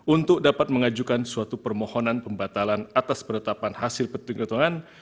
untuk dapat mengajukan suatu permohonan pembatalan atas penetapan hasil petunjuk hitungan